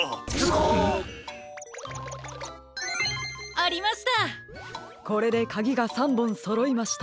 ありました！